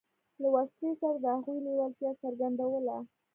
له وسلې سره د هغوی لېوالتیا څرګندوله.